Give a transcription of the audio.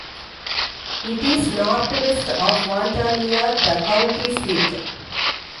It is northwest of Vandalia, the county seat.